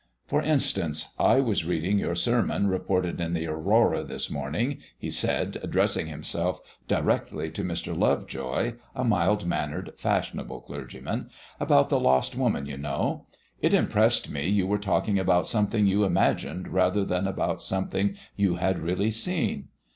For instance, I was reading your sermon reported in the Aurora this morning," he said, addressing himself directly to Mr. Lovejoy, a mild mannered, fashionable clergyman, "about the lost woman, you know. It impressed me you were talking about something you imagined rather than about something you had really seen.